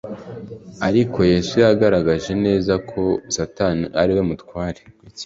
ariko yesu yagaragaje neza ko satani ari we mutware